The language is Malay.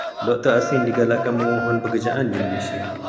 Doktor asing digalakkan memohon pekerjaan di Malaysia.